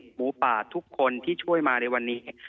หมูป่าทุกคนที่ช่วยมาในวันนี้